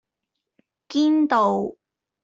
堅道